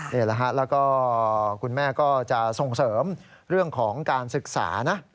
แล้วก็คุณแม่ก็จะทรงเสริมเรื่องของการศึกษานะ